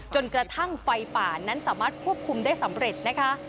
จนกระทั่งไฟป่านั้นสามารถควบคุมได้สำเร็จนะคะ